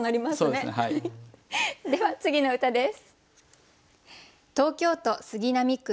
では次の歌です。